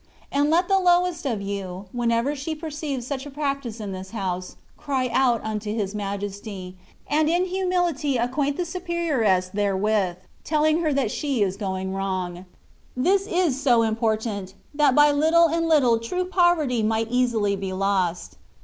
And let the lowest of you, whenever she perceives such a practice in this house, cry out unto His Majesty, and in humility acquaint the superioress therewith, telling her that she is going wrong; this is so important, that by Uttle and little true poverty might easily be lost.